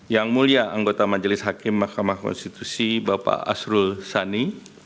yang mulia anggota majelis hakim mahkamah konstitusi bapak asrul sani